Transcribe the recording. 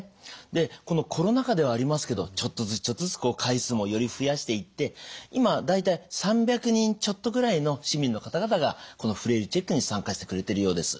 でこのコロナ禍ではありますけどちょっとずつちょっとずつ回数もより増やしていって今大体３００人ちょっとぐらいの市民の方々がこのフレイルチェックに参加してくれてるようです。